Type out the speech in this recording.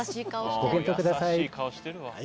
ご検討ください。